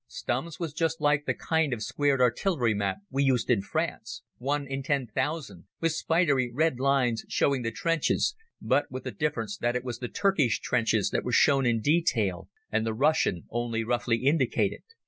Stumm's was just like the kind of squared artillery map we used in France, 1 in 10,000, with spidery red lines showing the trenches, but with the difference that it was the Turkish trenches that were shown in detail and the Russian only roughly indicated.